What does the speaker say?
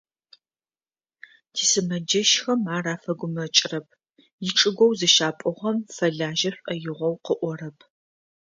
Тисымэджэщхэм ар афэгумэкӏрэп, ичӏыгоу зыщапӏугъэм фэлажьэ шӏоигъоу къыӏорэп.